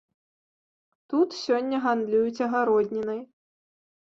Тут сёння гандлююць агароднінай.